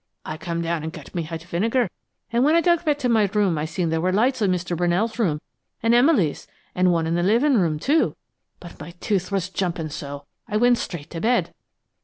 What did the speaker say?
I come down an' got my hot vinegar an' when I got back to my room I seen there were lights in Mr. Brunell's room an' Emily's, an' one in the livin' room, too, but my tooth was jumpin' so I went straight to bed.